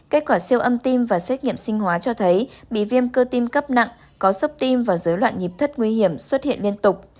kết quả siêu âm tim và xét nghiệm sinh hóa cho thấy bị viêm cơ tim cấp nặng có sốc tim và dối loạn nhịp thất nguy hiểm xuất hiện liên tục